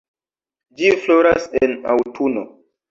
Ĝi floras en aŭtuno.